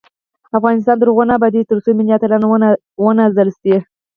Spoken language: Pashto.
افغانستان تر هغو نه ابادیږي، ترڅو ملي اتلان ونازل شي.